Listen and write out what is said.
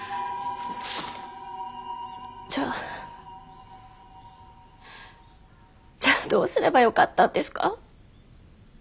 じゃあじゃあどうすればよかったんですか？